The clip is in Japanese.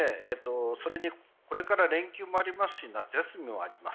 これから連休もありますし夏休みもあります。